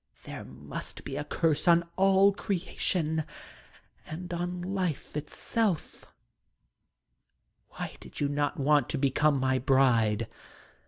There must be a curse on all creation and on life itself Why did you not want to become my bride?